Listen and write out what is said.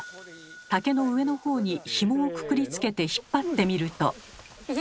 竹の上の方にひもをくくりつけて引っ張ってみると。